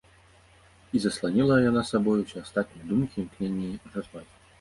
І засланіла яна сабою ўсе астатнія думкі, імкненні, развагі.